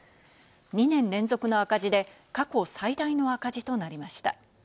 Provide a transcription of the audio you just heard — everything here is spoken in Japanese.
２年連続の赤字で過去最大の赤字となりました。